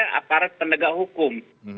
ini adalah hasil kerja para pendegang hukum